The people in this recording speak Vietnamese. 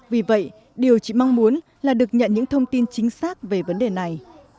vì vậy điều chị mong muốn là được nhận những thông tin chính xác về vấn đề này